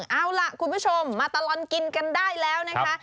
เอาล่ะคุณผู้ชมมาตลอดกินกันได้แล้วนะคะ